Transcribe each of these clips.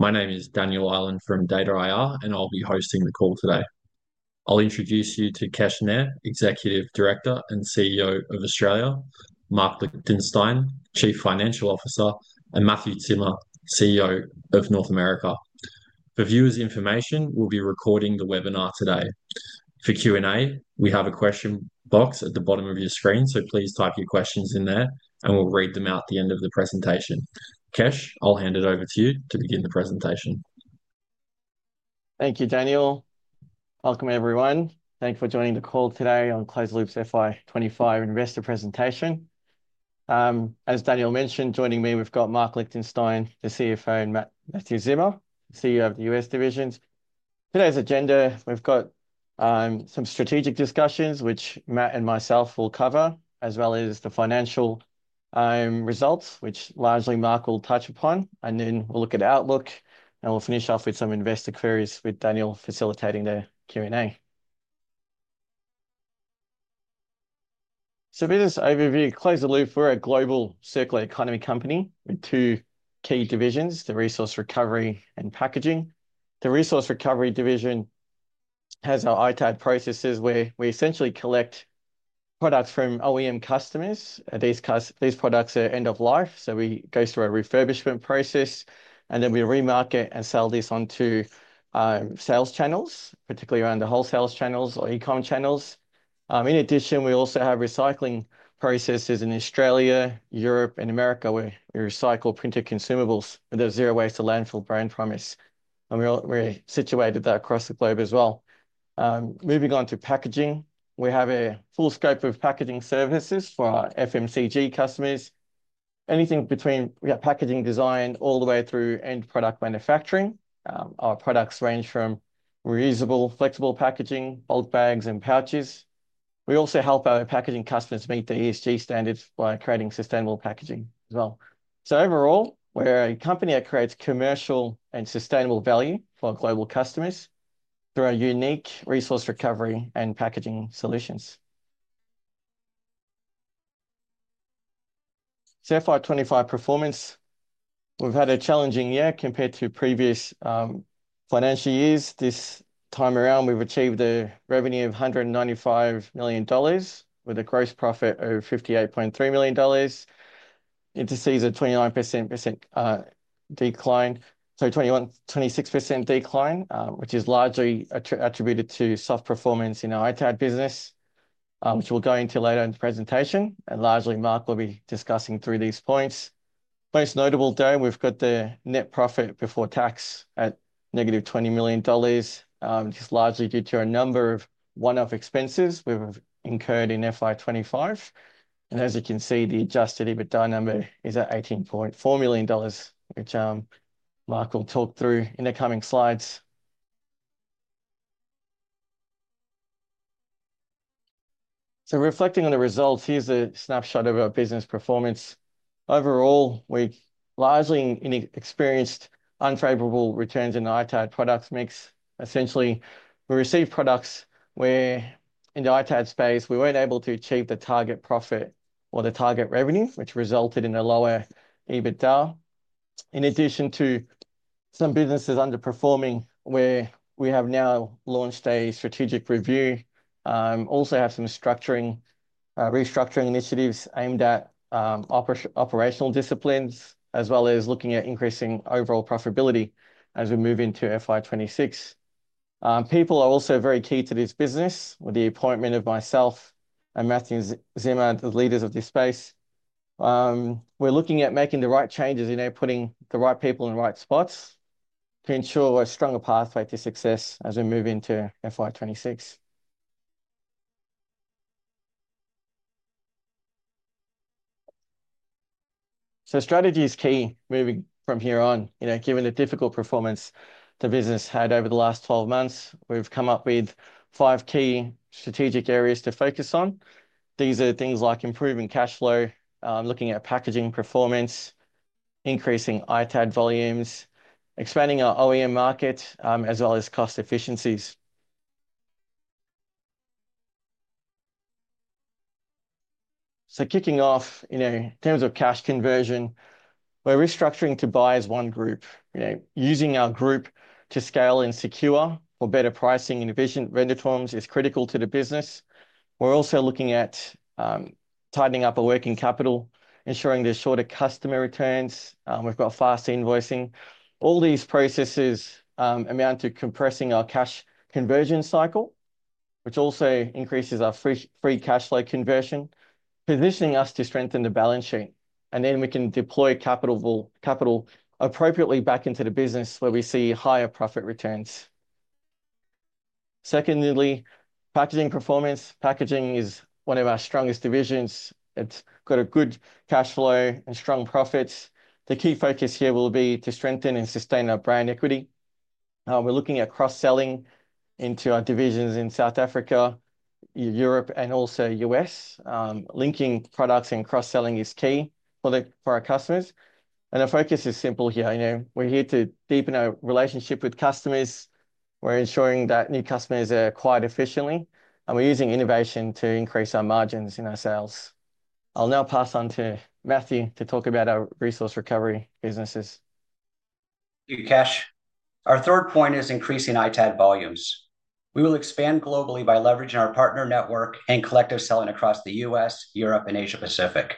My name is Daniel Ireland from DataIR, and I'll be hosting the call today. I'll introduce you to Kesh Nair, Executive Director and CEO (Australia); Marc Lichtenstein, Chief Financial Officer; and Matthew Zimmer, CEO (North America). For viewers' information, we'll be recording the webinar today. For Q&A, we have a question box at the bottom of your screen, so please type your questions in there, and we'll read them out at the end of the presentation. Kesh, I'll hand it over to you to begin the presentation. Thank you, Daniel. Welcome, everyone. Thank you for joining the call today on Close the Loop's FY 2025 Investor Presentation. As Daniel mentioned, joining me, we've got Marc Lichtenstein, the CFO, and Matthew Zimmer, CEO of the U.S. divisions. Today's agenda, we've got some strategic discussions, which Matt and myself will cover, as well as the financial results, which largely Marc will touch upon. We'll look at outlook, and we'll finish off with some investor queries with Daniel facilitating the Q&A. A bit of overview. Close the Loop, we're a global circular economy company with two key divisions: the resource recovery and packaging. The resource Recovery division has our ITAD processes where we essentially collect products from OEM customers. These products are end-of-life, so we go through a refurbishment process, and then we remarket and sell this onto sales channels, particularly around the wholesale channels or e-com channels. In addition, we also have recycling processes in Australia, Europe, and America where we recycle printed consumables with a zero-waste to landfill brand promise. We're situated across the globe as well. Moving on to packaging, we have a full scope of packaging services for our FMCG customers, anything between packaging design all the way through end product manufacturing. Our products range from reusable flexible packaging, old bags, and pouches. We also help our packaging customers meet the ESG standards by creating sustainable packaging as well. Overall, we're a company that creates commercial and sustainable value for our global customers through our unique resource recovery and packaging solutions. FY 2025 performance, we've had a challenging year compared to previous financial years. This time around, we've achieved a revenue of $195 million with a gross profit of $58.3 million. It exceeds a 29% decline, so a 26% decline, which is largely attributed to soft performance in our ITAD business, which we'll go into later in the presentation. Largely, Marc will be discussing through these points. Most notable, though, we've got the net profit before tax at -$20 million, which is largely due to a number of one-off expenses we've incurred in FY 2025. As you can see, the adjusted EBITDA number is at $18.4 million, which Marc will talk through in the coming slides. Reflecting on the results, here's a snapshot of our business performance. Overall, we largely experienced unfavorable returns in ITAD products mix. Essentially, we received products where in the ITAD space we weren't able to achieve the target profit or the target revenue, which resulted in a lower EBITDA. In addition to some businesses underperforming, we have now launched a strategic review. We also have some restructuring initiatives aimed at operational discipline, as well as looking at increasing overall profitability as we move into FY 2026. People are also very key to this business with the appointment of myself and Matthew Zimmer, the leaders of this space. We're looking at making the right changes and putting the right people in the right spots to ensure a stronger pathway to success as we move into FY 2026. Strategy is key moving from here on. Given the difficult performance the business had over the last 12 months, we've come up with five key strategic areas to focus on. These are things like improving cash flow, looking at packaging performance, increasing ITAD volumes, expanding our OEM market, as well as cost efficiencies. Kicking off in terms of cash conversion, we're restructuring to buy as one group. Using our group to scale and secure for better pricing in efficient vendor terms is critical to the business. We're also looking at tightening up our working capital, ensuring there's shorter customer returns. We've got fast invoicing. All these processes amount to compressing our cash conversion cycle, which also increases our free cash flow conversion, positioning us to strengthen the balance sheet. We can deploy capital appropriately back into the business where we see higher profit returns. Secondly, packaging performance. Packaging is one of our strongest divisions. It's got a good cash flow and strong profits. The key focus here will be to strengthen and sustain our brand equity. We're looking at cross-selling into our divisions in South Africa, Europe, and also the U.S. Linking products and cross-selling is key for our customers. Our focus is simple here. We're here to deepen our relationship with customers. We're ensuring that new customers acquire efficiently, and we're using innovation to increase our margins in our sales. I'll now pass on to Matthew to talk about our resource recovery businesses. Thank you, Kesh. Our third point is increasing ITAD volumes. We will expand globally by leveraging our partner network and collectors selling across the U.S., Europe, and Asia Pacific.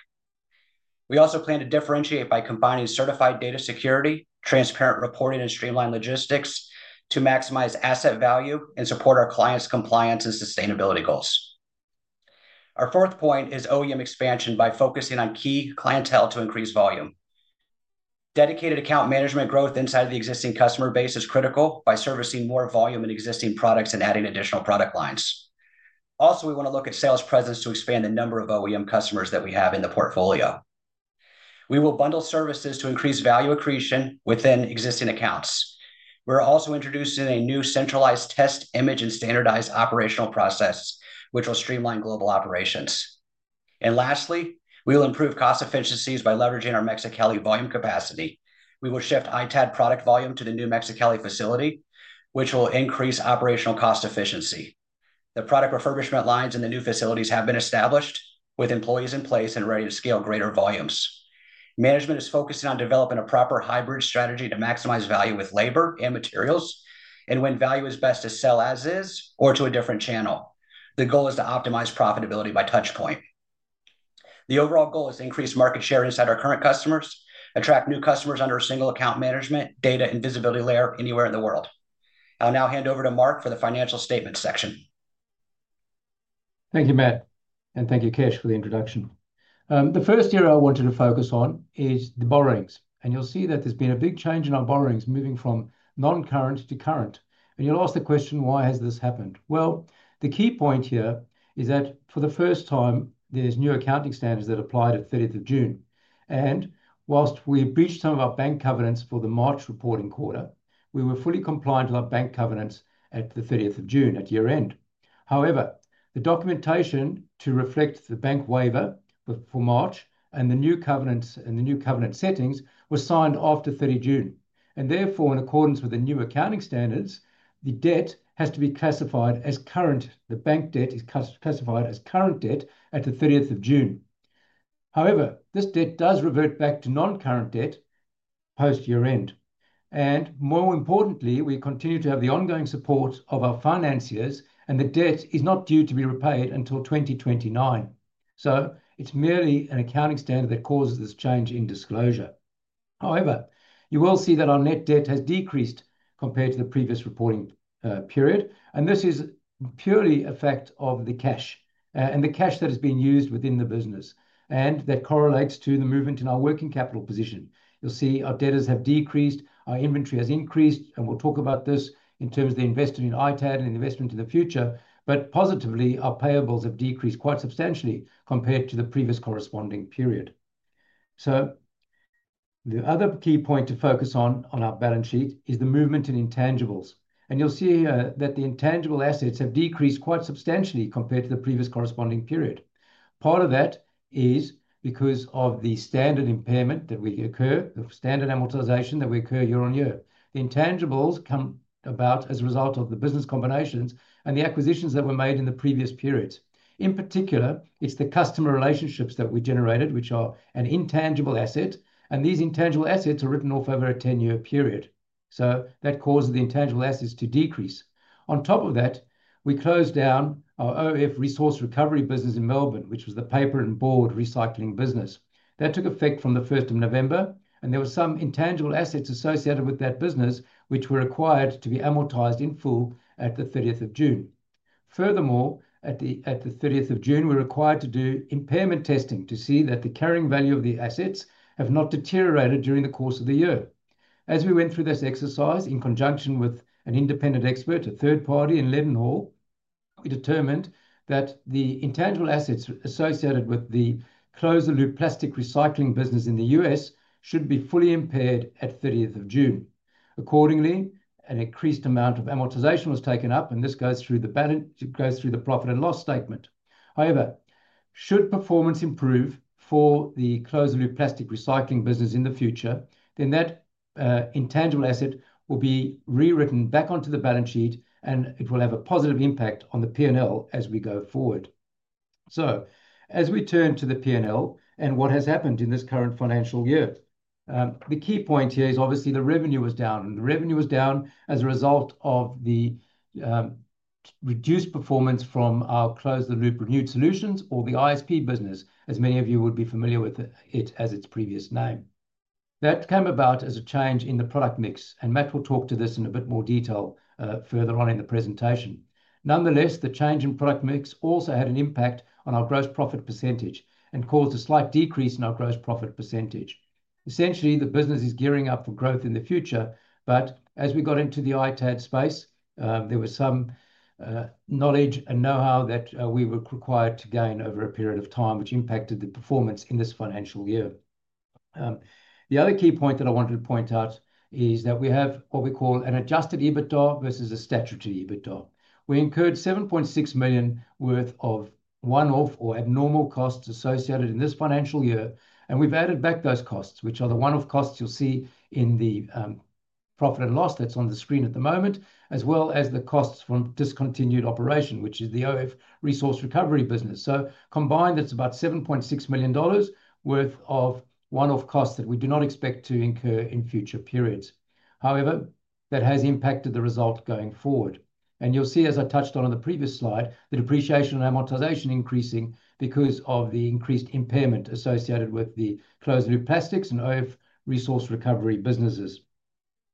We also plan to differentiate by combining certified data security, transparent reporting, and streamlined logistics to maximize asset value and support our clients' compliance and sustainability goals. Our fourth point is OEM expansion by focusing on key clientele to increase volume. Dedicated account management growth inside of the existing customer base is critical by servicing more volume in existing products and adding additional product lines. We want to look at sales presence to expand the number of OEM customers that we have in the portfolio. We will bundle services to increase value accretion within existing accounts. We are also introducing a new centralized test image and standardized operational process, which will streamline global operations. Lastly, we will improve cost efficiencies by leveraging our Mexicali volume capacity. We will shift ITAD product volume to the new Mexicali facility, which will increase operational cost efficiency. The product refurbishment lines in the new facilities have been established with employees in place and ready to scale greater volumes. Management is focusing on developing a proper hybrid strategy to maximize value with labor and materials, and when value is best to sell as is or to a different channel. The goal is to optimize profitability by touchpoint. The overall goal is to increase market share inside our current customers, attract new customers under a single account management, data, and visibility layer anywhere in the world. I'll now hand over to Marc for the financial statements section. Thank you, Matt, and thank you, Kesh, for the introduction. The first area I wanted to focus on is the borrowings. You'll see that there's been a big change in our borrowings moving from non-current to current. You'll ask the question, why has this happened? The key point here is that for the first time, there's new accounting standards that apply to the 30th of June. Whilst we breached some of our bank covenants for the March reporting quarter, we were fully compliant with our bank covenants at the 30th of June at year-end. However, the documentation to reflect the bank waiver for March and the new covenants and the new covenant settings was signed after 30th of June. Therefore, in accordance with the new accounting standards, the debt has to be classified as current. The bank debt is classified as current debt at the 30th of June. However, this debt does revert back to non-current debt post year-end. More importantly, we continue to have the ongoing support of our financiers, and the debt is not due to be repaid until 2029. It's merely an accounting standard that causes this change in disclosure. You'll see that our net debt has decreased compared to the previous reporting period. This is purely a fact of the cash and the cash that has been used within the business and that correlates to the movement in our working capital position. You'll see our debtors have decreased, our inventory has increased, and we'll talk about this in terms of the investment in ITAD and investment in the future. Positively, our payables have decreased quite substantially compared to the previous corresponding period. The other key point to focus on on our balance sheet is the movement in intangibles. You'll see that the intangible assets have decreased quite substantially compared to the previous corresponding period. Part of that is because of the standard impairment that we incur, the standard amortization that we incur year on year. The intangibles come about as a result of the business combinations and the acquisitions that were made in the previous periods. In particular, it's the customer relationships that we generated, which are an intangible asset. These intangible assets are written off over a 10-year period. That causes the intangible assets to decrease. On top of that, we closed down our O F Resource Recovery business in Melbourne, which was the paper and board recycling business. That took effect from the 1st of November, and there were some intangible assets associated with that business which were required to be amortized in full at the 30th of June. Furthermore, at the 30th of June, we're required to do impairment testing to see that the carrying value of the assets has not deteriorated during the course of the year. As we went through this exercise in conjunction with an independent expert, a third party in Lidenhall, we determined that the intangible assets associated with the Close the Loop plastic recycling business in the U.S. should be fully impaired at the 30th of June. Accordingly, an increased amount of amortization was taken up, and this goes through the profit and loss statement. However, should performance improve for the Close the Loop plastic recycling business in the future, then that intangible asset will be rewritten back onto the balance sheet, and it will have a positive impact on the P&L as we go forward. As we turn to the P&L and what has happened in this current financial year, the key point here is obviously the revenue was down. The revenue was down as a result of the reduced performance from our Close the Loop renewed solutions or the ISP business, as many of you would be familiar with it as its previous name. That came about as a change in the product mix, and Matt will talk to this in a bit more detail further on in the presentation. Nonetheless, the change in product mix also had an impact on our gross profit percentage and caused a slight decrease in our gross profit percentage. Essentially, the business is gearing up for growth in the future, but as we got into the ITAD space, there was some knowledge and know-how that we were required to gain over a period of time, which impacted the performance in this financial year. The other key point that I wanted to point out is that we have what we call an adjusted EBITDA versus a statutory EBITDA. We incurred $7.6 million worth of one-off or abnormal costs associated in this financial year, and we've added back those costs, which are the one-off costs you'll see in the profit and loss that's on the screen at the moment, as well as the costs from discontinued operation, which is the O F Resource Recovery business. Combined, that's about $7.6 million worth of one-off costs that we do not expect to incur in future periods. However, that has impacted the result going forward. You'll see, as I touched on in the previous slide, the depreciation and amortization increasing because of the increased impairment associated with the Close the Loop plastics and O F Resource Recovery businesses.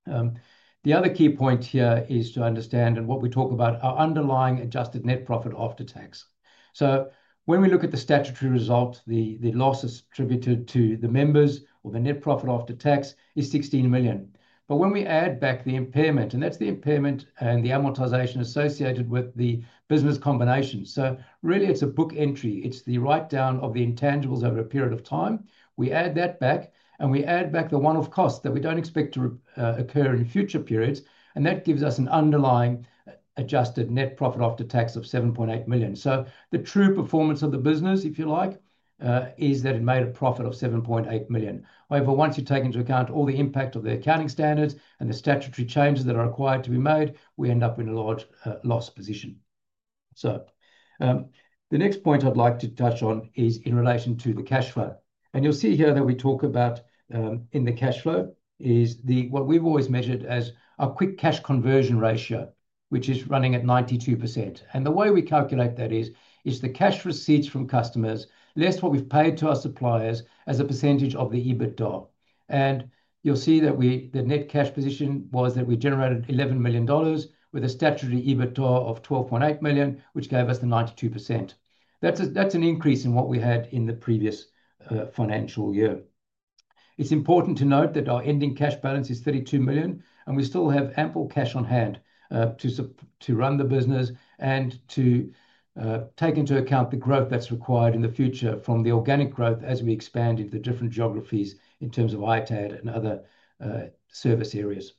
The other key point here is to understand what we talk about as underlying adjusted net profit after tax. When we look at the statutory result, the losses attributed to the members or the net profit after tax is $16 million. When we add back the impairment, and that's the impairment and the amortization associated with the business combination, it's really a book entry. It's the write-down of the intangibles over a period of time. We add that back, and we add back the one-off costs that we don't expect to occur in future periods. That gives us an underlying adjusted net profit after tax of $7.8 million. The true performance of the business, if you like, is that it made a profit of $7.8 million. However, once you take into account all the impact of the accounting standards and the statutory changes that are required to be made, we end up in a large loss position. The next point I'd like to touch on is in relation to the cash flow. You'll see here that we talk about in the cash flow what we've always measured as our quick cash conversion ratio, which is running at 92%. The way we calculate that is the cash receipts from customers less what we've paid to our suppliers as a percentage of the EBITDA. You'll see that the net cash position was that we generated $11 million with a statutory EBITDA of $12.8 million, which gave us the 92%. That's an increase in what we had in the previous financial year. It's important to note that our ending cash balance is $32 million, and we still have ample cash on hand to run the business and to take into account the growth that's required in the future from the organic growth as we expand into different geographies in terms of ITAD and other service areas.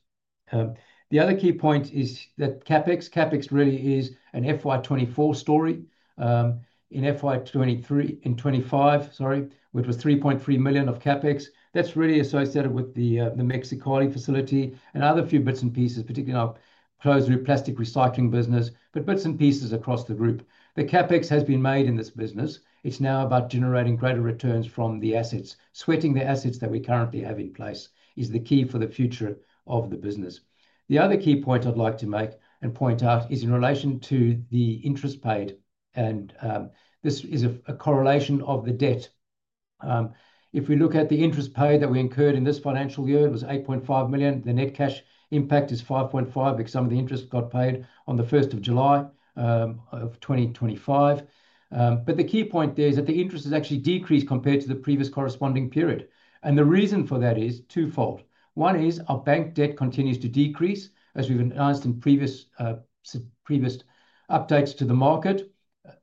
The other key point is that CapEx really is an FY 2024 story. In 2025, with $3.3 million of CapEx, that's really associated with the Mexicali facility and other few bits and pieces, particularly in our Close the Loop plastic recycling business, but bits and pieces across the group. The CapEx has been made in this business. It's now about generating greater returns from the assets. Sweating the assets that we currently have in place is the key for the future of the business. The other key point I'd like to make and point out is in relation to the interest paid, and this is a correlation of the debt. If we look at the interest paid that we incurred in this financial year, it was $8.5 million. The net cash impact is $5.5 million because some of the interest got paid on the 1st of July 2025. The key point there is that the interest has actually decreased compared to the previous corresponding period. The reason for that is twofold. One is our bank debt continues to decrease. As we've announced in previous updates to the market,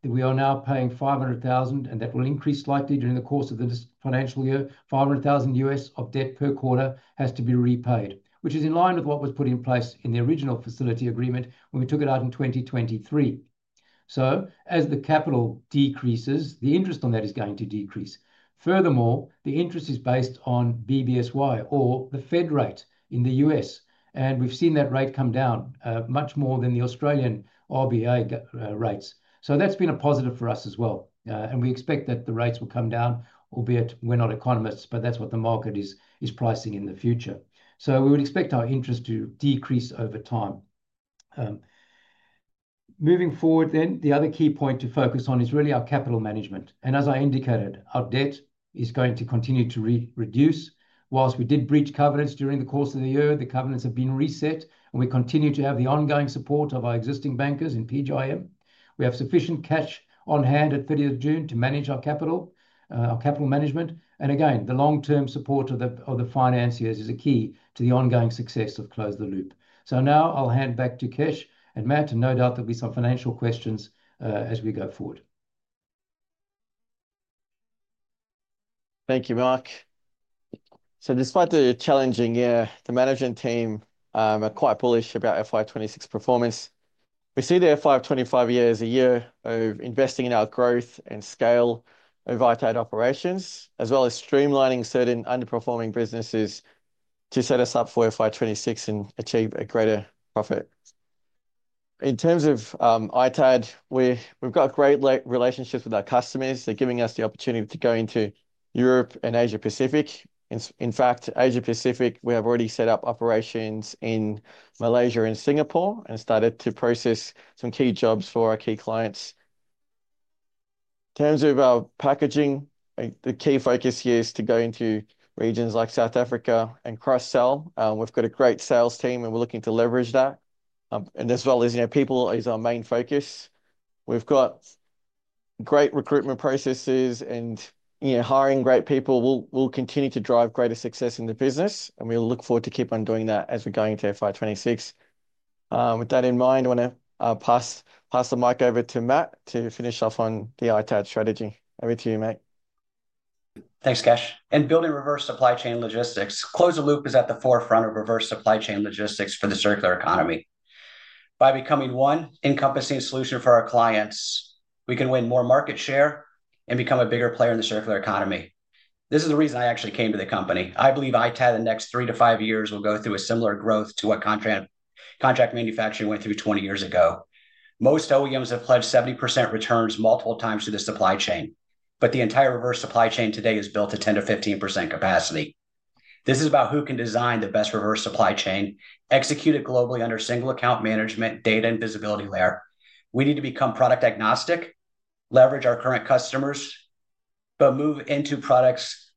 we are now paying $500,000, and that will increase slightly during the course of this financial year. $500,000 U.S. of debt per quarter has to be repaid, which is in line with what was put in place in the original facility agreement when we took it out in 2023. As the capital decreases, the interest on that is going to decrease. Furthermore, the interest is based on BBSY or the Fed rate in the U.S. We've seen that rate come down much more than the Australian RBA rates. That's been a positive for us as well. We expect that the rates will come down, albeit we're not economists, but that's what the market is pricing in the future. We would expect our interest to decrease over time. Moving forward, the other key point to focus on is really our capital management. As I indicated, our debt is going to continue to reduce. Whilst we did breach covenants during the course of the year, the covenants have been reset, and we continue to have the ongoing support of our existing bankers in PGIM. We have sufficient cash on hand at 30th of June to manage our capital, our capital management. Again, the long-term support of the financiers is a key to the ongoing success of Close the Loop. Now I'll hand back to Kesh and Matt, and no doubt there'll be some financial questions as we go forward. Thank you, Marc. Despite the challenging year, the management team are quite bullish about FY 2026 performance. We see the FY 2025 year as a year of investing in our growth and scale of ITAD operations, as well as streamlining certain underperforming businesses to set us up for FY 2026 and achieve a greater profit. In terms of ITAD, we've got great relationships with our customers. They're giving us the opportunity to go into Europe and Asia Pacific. In fact, in Asia Pacific, we have already set up operations in Malaysia and Singapore and started to process some key jobs for our key clients. In terms of our packaging, the key focus here is to go into regions like South Africa and cross-sell. We've got a great sales team, and we're looking to leverage that. People are our main focus. We've got great recruitment processes, and hiring great people will continue to drive greater success in the business. We'll look forward to keep on doing that as we go into FY 2026. With that in mind, I want to pass the mic over to Matt to finish off on the ITAD strategy. Over to you, Matt. Thanks, Kesh. Building reverse supply chain logistics, Close the Loop is at the forefront of reverse supply chain logistics for the circular economy. By becoming one, encompassing a solution for our clients, we can win more market share and become a bigger player in the circular economy. This is the reason I actually came to the company. I believe ITAD in the next three to five years will go through a similar growth to what contract manufacturing went through 20 years ago. Most OEMs have pledged 70% returns multiple times to the supply chain, but the entire reverse supply chain today is built at 10%-15% capacity. This is about who can design the best reverse supply chain, execute it globally under single account management, data, and visibility layer. We need to become product agnostic, leverage our current customers, but move into products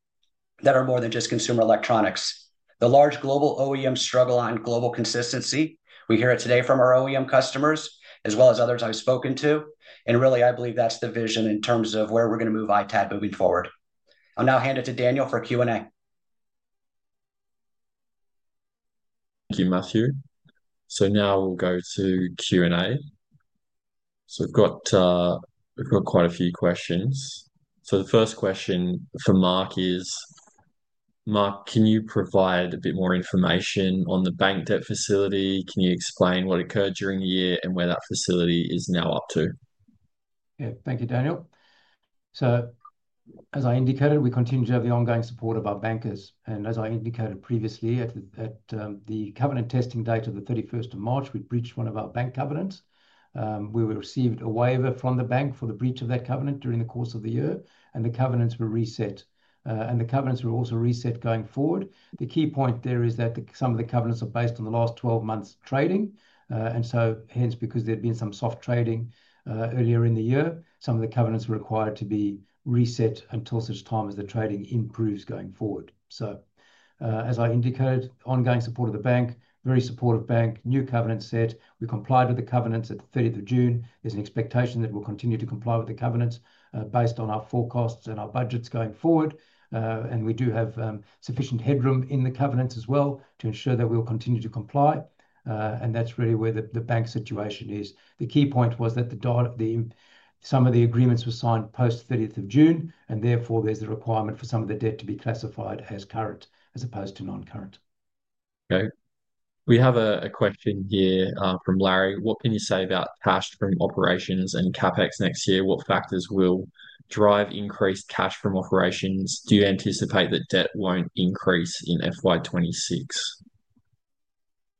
that are more than just consumer electronics. The large global OEMs struggle on global consistency. We hear it today from our OEM customers, as well as others I've spoken to. I believe that's the vision in terms of where we're going to move ITAD moving forward. I'll now hand it to Daniel for Q&A. Thank you, Matthew. Now we'll go to Q&A. We've got quite a few questions. The first question for Marc is, Marc, can you provide a bit more information on the bank debt facility? Can you explain what occurred during the year and where that facility is now up to? Thank you, Daniel. As I indicated, we continue to have the ongoing support of our bankers. As I indicated previously, at the covenant testing date of 31st of March, we breached one of our bank covenants. We received a waiver from the bank for the breach of that covenant during the course of the year, and the covenants were reset. The covenants were also reset going forward. The key point there is that some of the covenants are based on the last 12 months' trading. Hence, because there had been some soft trading earlier in the year, some of the covenants were required to be reset until such time as the trading improves going forward. As I indicated, ongoing support of the bank, very supportive bank, new covenant set. We complied with the covenants at 30th of June. There's an expectation that we'll continue to comply with the covenants based on our forecasts and our budgets going forward. We do have sufficient headroom in the covenants as well to ensure that we'll continue to comply. That's really where the bank situation is. The key point was that some of the agreements were signed post 30th of June, and therefore there's a requirement for some of the debt to be classified as current as opposed to non-current. Okay. We have a question here from Larry. What can you say about cash from operations and CapEx next year? What factors will drive increased cash from operations? Do you anticipate that debt won't increase in FY 2026?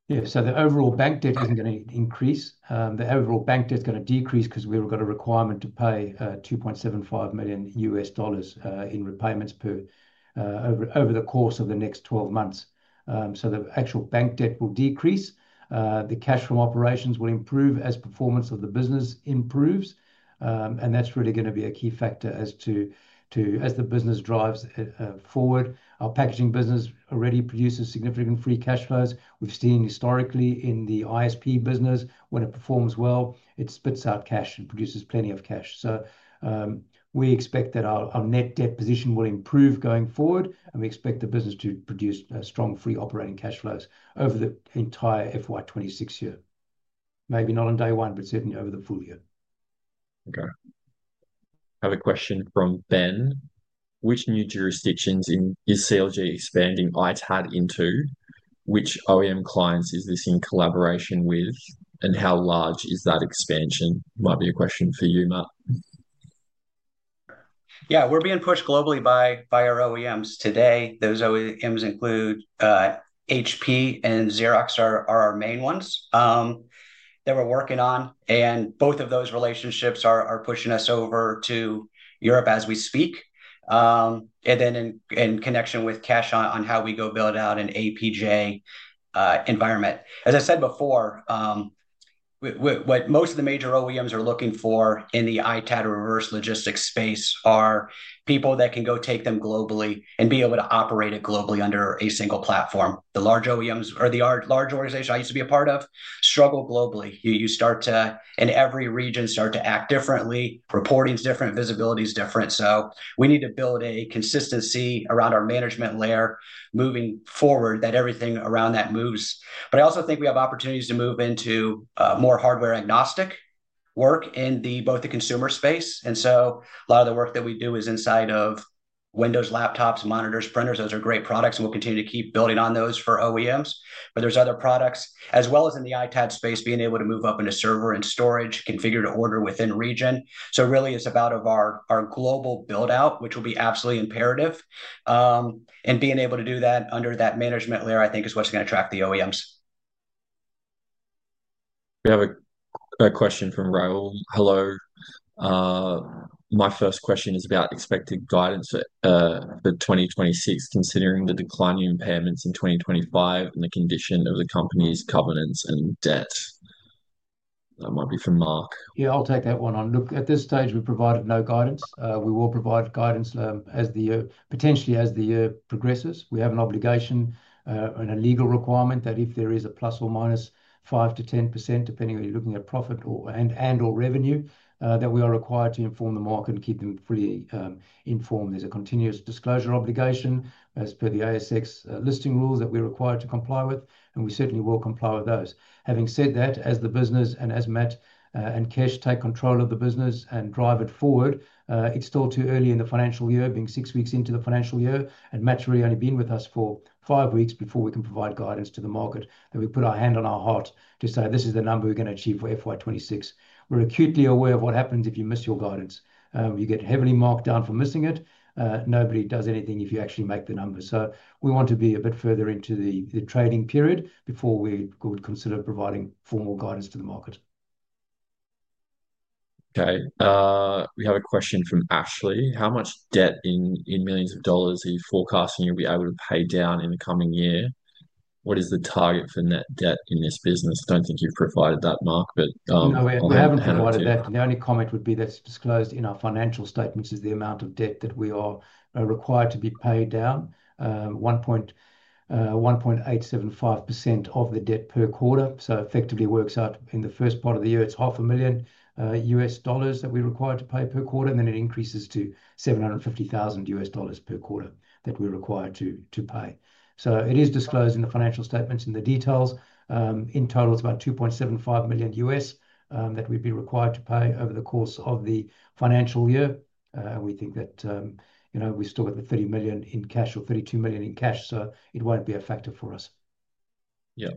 Yeah, so the overall bank debt isn't going to increase. The overall bank debt is going to decrease because we've got a requirement to pay $2.75 million in repayments over the course of the next 12 months. The actual bank debt will decrease. The cash from operations will improve as performance of the business improves. That's really going to be a key factor as the business drives forward. Our packaging business already produces significant free cash flows. We've seen historically in the ISP business, when it performs well, it spits out cash and produces plenty of cash. We expect that our net debt position will improve going forward, and we expect the business to produce strong free operating cash flows over the entire FY 2026 year. Maybe not on day one, but certainly over the full year. Okay. I have a question from Ben. Which new jurisdictions is CLG expanding ITAD into? Which OEM clients is this in collaboration with? How large is that expansion? Might be a question for you, Matt. Yeah, we're being pushed globally by our OEMs. Today, those OEMs include HP and Xerox, our main ones that we're working on. Both of those relationships are pushing us over to Europe as we speak, in connection with Kesh on how we go build out an APJ environment. As I said before, what most of the major OEMs are looking for in the ITAD reverse logistics space are people that can go take them globally and be able to operate it globally under a single platform. The large OEMs or the large organizations I used to be a part of struggle globally. In every region, you start to act differently. Reporting is different, visibility is different. We need to build a consistency around our management layer moving forward that everything around that moves. I also think we have opportunities to move into more hardware-agnostic work in both the consumer space. A lot of the work that we do is inside of Windows, laptops, monitors, printers. Those are great products, and we'll continue to keep building on those for OEMs. There are other products, as well as in the ITAD space, being able to move up into server and storage, configure to order within region. It really is about our global build-out, which will be absolutely imperative. Being able to do that under that management layer, I think, is what's going to attract the OEMs. We have a question from Raul. Hello. My first question is about expected guidance for 2026, considering the decline in impairments in 2025 and the condition of the company's covenants and debts. That might be from Marc. Yeah, I'll take that one on. Look, at this stage, we provided no guidance. We will provide guidance as the year, potentially as the year progresses. We have an obligation and a legal requirement that if there is a ±5%-10%, depending on if you're looking at profit and/or revenue, that we are required to inform the market and keep them fully informed. There's a continuous disclosure obligation as per the ASX listing rules that we're required to comply with, and we certainly will comply with those. Having said that, as the business and as Matt and Kesh take control of the business and drive it forward, it's still too early in the financial year, being six weeks into the financial year, and Matt's really only been with us for five weeks before we can provide guidance to the market. We put our hand on our heart to say this is the number we're going to achieve for FY 2026. We're acutely aware of what happens if you miss your guidance. You get heavily marked down for missing it. Nobody does anything if you actually make the number. We want to be a bit further into the trading period before we would consider providing formal guidance to the market. Okay. We have a question from Ashley. How much debt in millions of dollars are you forecasting you'll be able to pay down in the coming year? What is the target for net debt in this business? I don't think you've provided that, Marc. We haven't provided that. The only comment would be that's disclosed in our financial statements is the amount of debt that we are required to be paid down. 1.875% of the debt per quarter. It effectively works out in the first part of the year, it's $500,000 that we're required to pay per quarter, and then it increases to $750,000 per quarter that we're required to pay. It is disclosed in the financial statements in the details. In total, it's about $2.75 million that we'd be required to pay over the course of the financial year. We think that, you know, we still got the $30 million in cash or $32 million in cash, so it won't be a factor for us. Yeah,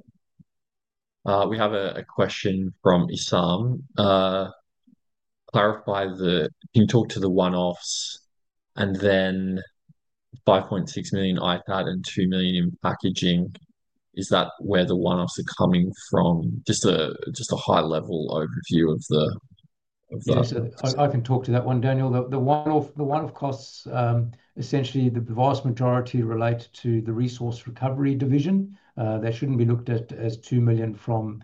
we have a question from Isam. Clarify the, can you talk to the one-offs and then $5.6 million ITAD and $2 million in packaging? Is that where the one-offs are coming from? Just a high-level overview of the. I can talk to that one, Daniel. The one-off costs, essentially, the vast majority relate to the resource recovery division. They shouldn't be looked at as $2 million from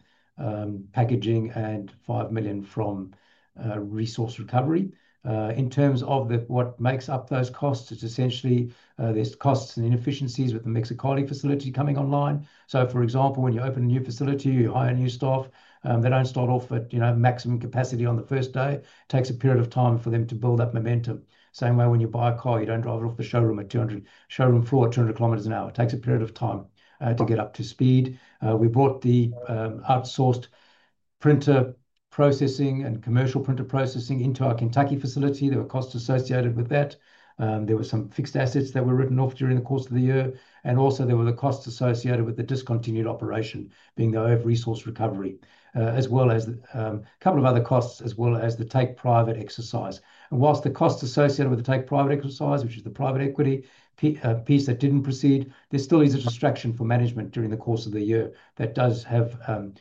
packaging and $5 million from resource recovery. In terms of what makes up those costs, it's essentially the costs and inefficiencies with the Mexicali facility coming online. For example, when you open a new facility, you hire new staff. They don't start off at maximum capacity on the first day. It takes a period of time for them to build up momentum. The same way when you buy a car, you don't drive it off the showroom floor at 200 km an hour. It takes a period of time to get up to speed. We brought the outsourced printer processing and commercial printer processing into our Kentucky facility. There were costs associated with that. There were some fixed assets that were written off during the course of the year. There were also the costs associated with the discontinued operation, being the O F Resource Recovery, as well as a couple of other costs, as well as the take-private exercise. Whilst the costs associated with the take-private exercise, which is the private equity piece that didn't proceed, there still is a distraction for management during the course of the year that does have an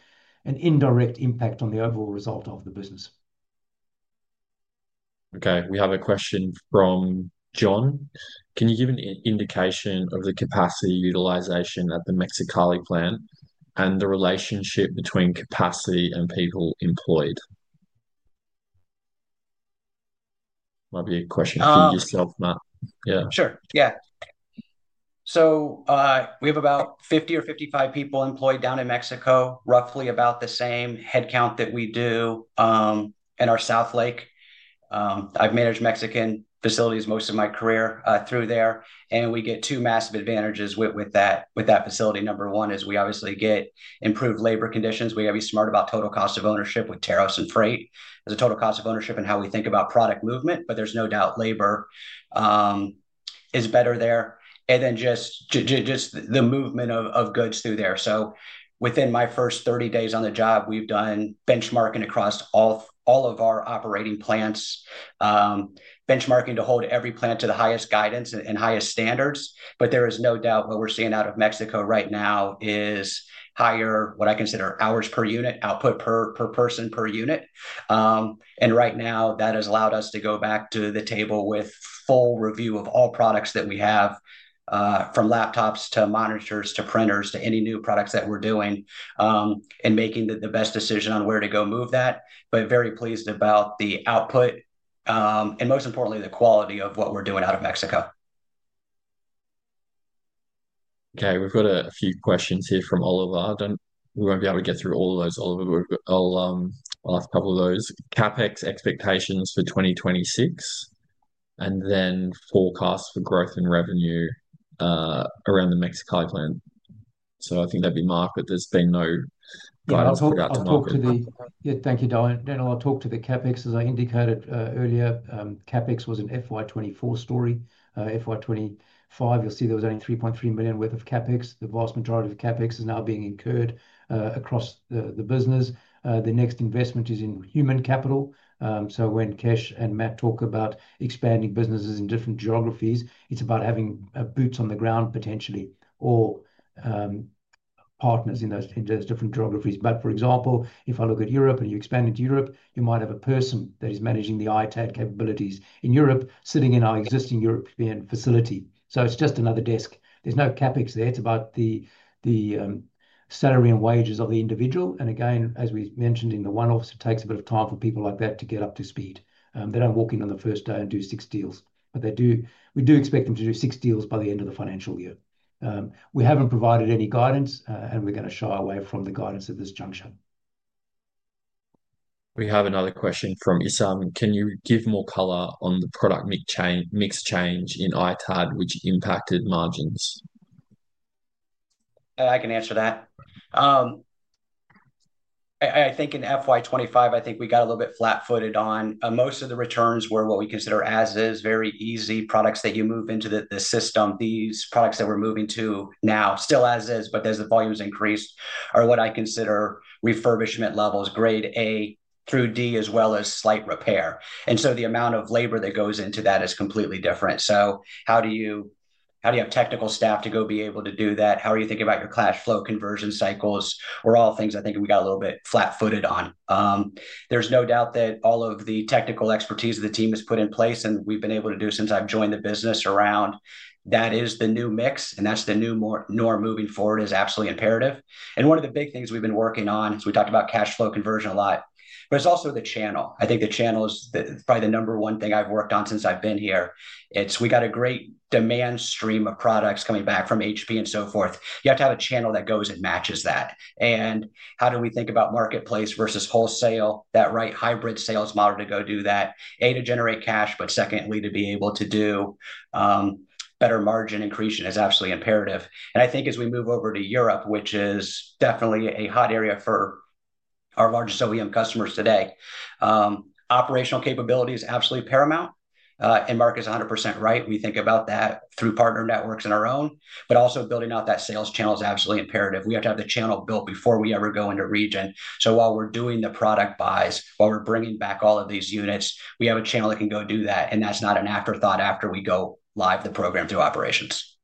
indirect impact on the overall result of the business. Okay. We have a question from John. Can you give an indication of the capacity utilization at the Mexicali plant and the relationship between capacity and people employed? Might be a question for yourself, Matt. Yeah. Sure. Yeah. We have about 50 or 55 people employed down in Mexico, roughly about the same headcount that we do in our South Lake. I've managed Mexican facilities most of my career through there. We get two massive advantages with that facility. Number one is we obviously get improved labor conditions. We got to be smart about total cost of ownership with tariffs and freight as a total cost of ownership and how we think about product movement. There's no doubt labor is better there. The movement of goods through there is also a benefit. Within my first 30 days on the job, we've done benchmarking across all of our operating plants, benchmarking to hold every plant to the highest guidance and highest standards. There is no doubt what we're seeing out of Mexico right now is higher, what I consider hours per unit, output per person per unit. Right now, that has allowed us to go back to the table with full review of all products that we have, from laptops to monitors to printers to any new products that we're doing and making the best decision on where to go move that. Very pleased about the output and most importantly, the quality of what we're doing out of Mexico. Okay. We've got a few questions here from Oliver. We won't be able to get through all of those, Oliver, but I'll ask a couple of those. CapEx expectations for 2026 and then forecast for growth and revenue around the Mexicali plant. I think that'd be Marc, but there's been no guidance. Yeah, thank you, Don. Daniel, I'll talk to the CapEx. As I indicated earlier, CapEx was an FY 2024 story. FY 2025, you'll see there was only $3.3 million worth of CapEx. The vast majority of CapEx is now being incurred across the business. The next investment is in human capital. When Kesh and Matt talk about expanding businesses in different geographies, it's about having boots on the ground potentially or partners in those different geographies. For example, if I look at Europe and you expand into Europe, you might have a person that is managing the ITAD capabilities in Europe sitting in our existing European facility. It's just another desk. There's no CapEx there. It's about the salary and wages of the individual. As we mentioned in the one-offs, it takes a bit of time for people like that to get up to speed. They don't walk in on the first day and do six deals. We do expect them to do six deals by the end of the financial year. We haven't provided any guidance, and we're going to shy away from the guidance at this juncture. We have another question from Isam. Can you give more color on the product mix change in ITAD, which impacted margins? I can answer that. I think in FY 2025, we got a little bit flat-footed on. Most of the returns were what we consider as-is, very easy products that you move into the system. These products that we're moving to now, still as-is, but there's a volume increase, are what I consider refurbishment levels, grade A through D, as well as slight repair. The amount of labor that goes into that is completely different. How do you have technical staff to be able to do that? How are you thinking about your cash flow conversion cycles? These were all things I think we got a little bit flat-footed on. There's no doubt that all of the technical expertise the team has put in place, and what we've been able to do since I've joined the business around that, is the new mix, and that's the new norm moving forward, which is absolutely imperative. One of the big things we've been working on is, we talked about cash flow conversion a lot, but it's also the channel. I think the channel is probably the number one thing I've worked on since I've been here. We got a great demand stream of products coming back from HP and so forth. You have to have a channel that goes and matches that. How do we think about marketplace versus wholesale, that right hybrid sales model to go do that? A, to generate cash, but secondly, to be able to do better margin increasing is absolutely imperative. I think as we move over to Europe, which is definitely a hot area for our largest OEM customers today, operational capability is absolutely paramount. Marc is 100% right. We think about that through partner networks and our own, but also building out that sales channel is absolutely imperative. We have to have the channel built before we ever go into region. While we're doing the product buys, while we're bringing back all of these units, we have a channel that can go do that. That's not an afterthought after we go live the program through operations.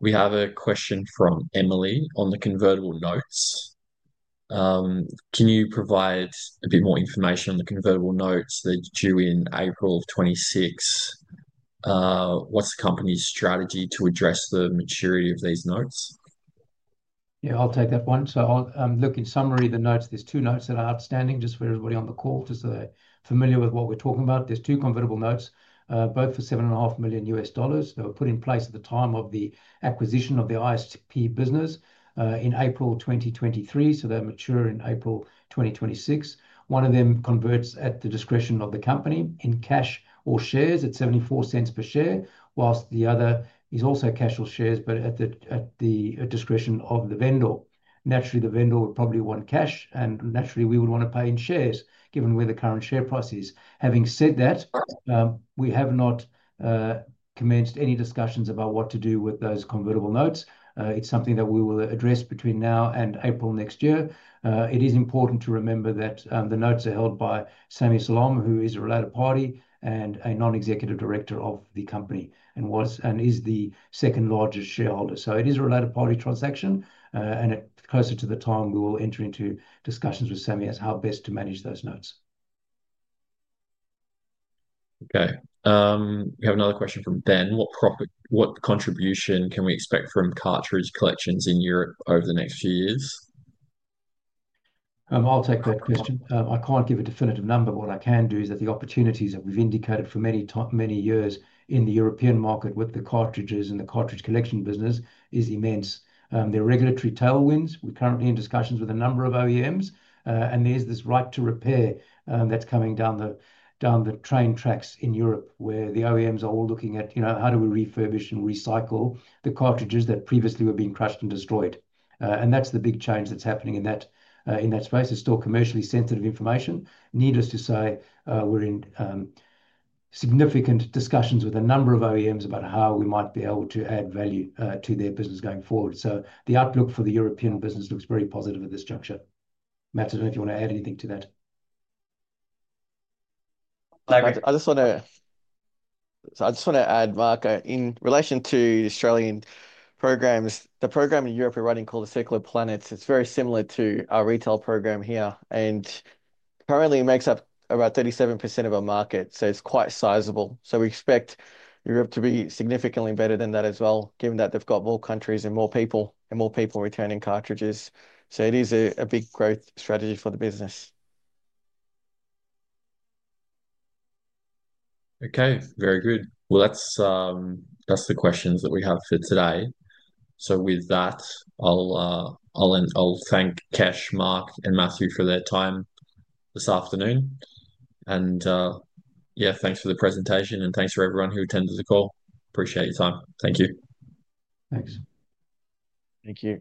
We have a question from Emily on the convertible notes. Can you provide a bit more information on the convertible notes that are due in April 2026? What's the company's strategy to address the maturity of these notes? Yeah, I'll take that one. In summary, the notes, there's two notes that are outstanding just for everybody on the call just so they're familiar with what we're talking about. There's two convertible notes, both for $7.5 million that were put in place at the time of the acquisition of the ISP business in April 2023. They'll mature in April 2026. One of them converts at the discretion of the company in cash or shares at $0.74 per share, whilst the other is also cash or shares, but at the discretion of the vendor. Naturally, the vendor would probably want cash, and naturally, we would want to pay in shares given where the current share price is. Having said that, we have not commenced any discussions about what to do with those convertible notes. It's something that we will address between now and April next year. It is important to remember that the notes are held by Sammy Saloum, who is a related party and a Non-Executive Director of the company and is the second largest shareholder. It is a related party transaction, and closer to the time, we will enter into discussions with Sammy as to how best to manage those notes. Okay. We have another question from Ben. What contribution can we expect from cartridge collections in Europe over the next few years? I'll take that question. I can't give a definitive number, but what I can do is that the opportunities that we've indicated for many, many years in the European market with the cartridges and the cartridge collection business is immense. The regulatory tailwinds, we're currently in discussions with a number of OEMs, and there's this right to repair that's coming down the train tracks in Europe where the OEMs are all looking at, you know, how do we refurbish and recycle the cartridges that previously were being crushed and destroyed? That's the big change that's happening in that space. It's still commercially sensitive information. Needless to say, we're in significant discussions with a number of OEMs about how we might be able to add value to their business going forward. The outlook for the European business looks very positive at this juncture. Matt, I don't know if you want to add anything to that. I just want to add, Marc, in relation to the Australian programs, the program in Europe we're running called Circular Planets is very similar to our retail program here. Currently, it makes up about 37% of our market, so it's quite sizable. We expect Europe to be significantly better than that as well, given that they've got more countries and more people and more people returning cartridges. It is a big growth strategy for the business. Okay, very good. That's the questions that we have for today. I'll thank Kesh, Marc, and Matthew for their time this afternoon. Thanks for the presentation and thanks for everyone who attended the call. Appreciate your time. Thank you. Thanks. Thank you.